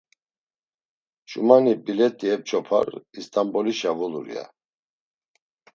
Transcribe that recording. Ç̌umani bilet̆i ep̌ç̌opar İst̆anbolişa vulur, ya.